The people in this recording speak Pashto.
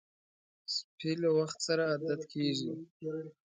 سپي له وخت سره عادت کېږي.